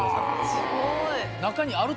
すごい。